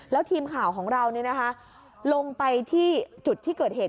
แล้วทีมข่าวของเราลงไปที่จุดที่เกิดเหตุ